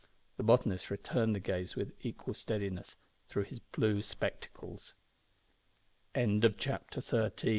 The botanist returned the gaze with equal steadiness through his blue spectacles. CHAPTER FOURTEE